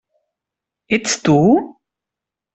Ets tu?